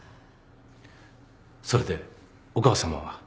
それでお母さまは？